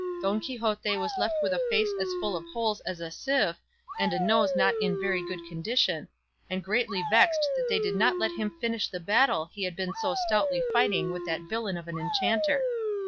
Don Quixote was left with a face as full of holes as a sieve and a nose not in very good condition, and greatly vexed that they did not let him finish the battle he had been so stoutly fighting with that villain of an enchanter.